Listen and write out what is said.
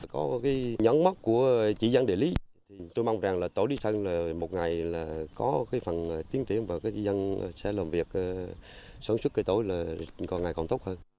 có nhấn mốc của chỉ dẫn địa lý tôi mong rằng tỏi lý sơn một ngày có phần tiến triển và chỉ dẫn sẽ làm việc xuất xuất tỏi ngày còn tốt hơn